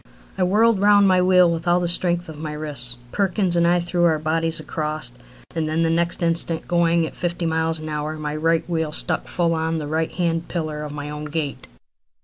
I whirled round my wheel with all the strength of my wrists. Perkins and I threw our bodies across, and then the next instant, going at fifty miles an hour, my right front wheel struck full on the right hand pillar of my own gate.